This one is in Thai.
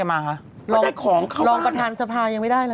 เค้าปิ้งได้อะไรกันมาคะลองประทานสภายังไม่ได้เลย